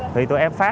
thì tụi em phát là